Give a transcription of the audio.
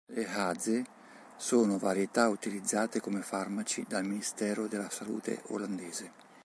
Le Haze sono varietà utilizzate come farmaci dal Ministero della Salute olandese.